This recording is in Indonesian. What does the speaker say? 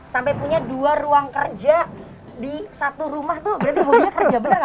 sampai punya dua ruang kerja di satu rumah tuh berarti hobinya kerja